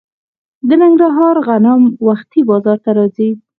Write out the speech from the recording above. د ننګرهار غنم وختي بازار ته راځي.